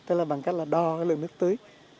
tức là bằng cách đo lượng nước tưới